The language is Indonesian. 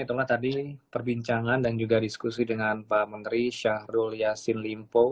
itulah tadi perbincangan dan juga diskusi dengan pak menteri syahrul yassin limpo